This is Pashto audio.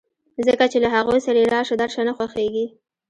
ځکه چې له هغوی سره یې راشه درشه نه خوښېږي